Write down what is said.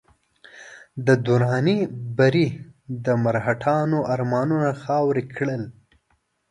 د دراني بري د مرهټیانو ارمانونه خاورې کړل.